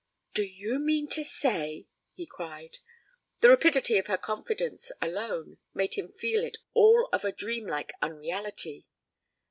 'Do you mean to say ?' he cried. The rapidity of her confidence alone made him feel it all of a dreamlike unreality.